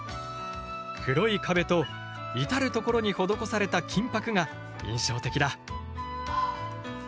黒い壁と至る所に施された金箔が印象的だ。